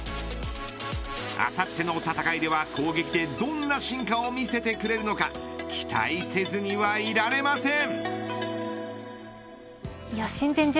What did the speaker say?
あさっての戦いでは攻撃でどんな進化を見せてくれるのか期待せずにはいられません。